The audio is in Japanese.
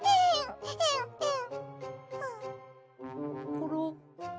コロ？